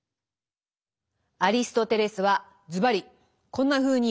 アリストテレスはズバリこんなふうに言っています。